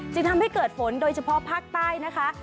จึงทำให้เกิดฝนโดยเฉพาะภาคใต้นะคะ